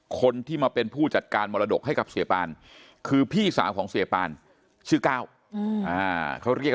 คนที่มาเป็นผู้จัดการมรดกให้กับเสียปานคือพี่สาวของเสียปานชื่อก้าวเขาเรียก